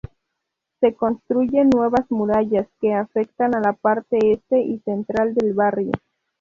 Se construyen nuevas murallas, que afectan a la parte este y central del barrio.